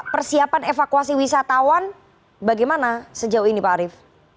persiapan evakuasi wisatawan bagaimana sejauh ini pak arief